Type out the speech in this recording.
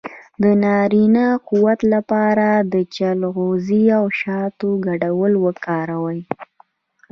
د نارینه قوت لپاره د چلغوزي او شاتو ګډول وکاروئ